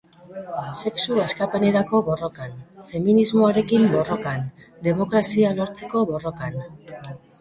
Sexu askapenerako borrokan, feminismoarekin borrokan, demokrazia lortzeko borrokan.